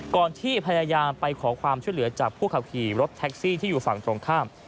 ที่พยายามไปขอความช่วยเหลือจากผู้ขับขี่รถแท็กซี่ที่อยู่ฝั่งตรงข้าม